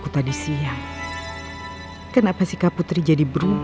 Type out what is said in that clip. makanya saya suka c creative zaang tau pokoknya dia gak knek nget